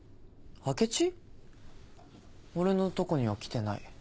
俺のとこには来てない。